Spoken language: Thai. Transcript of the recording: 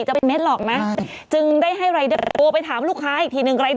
ใช่จึงได้ให้โปรไปถามลูกค้าอีกทีหนึ่ง